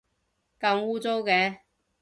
咁污糟嘅